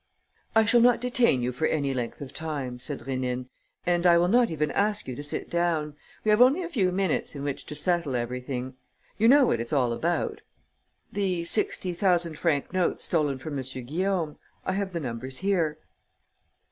"I shall not detain you for any length of time," said Rénine, "and I will not even ask you to sit down. We have only a few minutes in which to settle everything. You know what it's all about?" "The sixty thousand franc notes stolen from M. Guillaume. I have the numbers here."